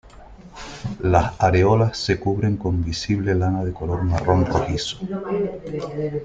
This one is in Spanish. Las areolas se cubren con visible lana de color marrón rojizo.